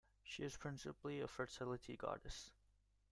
She is principally a fertility goddess.